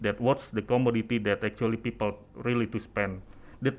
apa komoditas yang sebenarnya orang orang harus menghabiskan